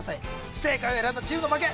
不正解を選んだチームの負け